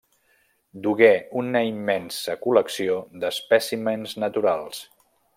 Dugué una immensa col·lecció d'espècimens naturals.